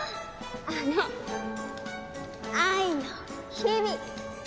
あの愛の日々。